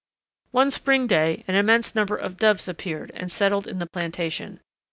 One spring day an immense number of doves appeared and settled in the plantation.